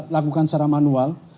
lakukan secara manual